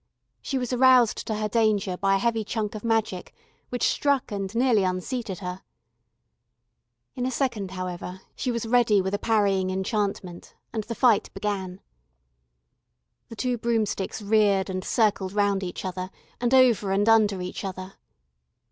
She was aroused to her danger by a heavy chunk of magic which struck and nearly unseated her. In a second, however, she was ready with a parrying enchantment, and the fight began. The two broomsticks reared and circled round each other, and over and under each other.